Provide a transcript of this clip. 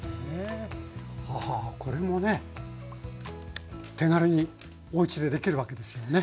ははこれもね手軽におうちでできるわけですよね？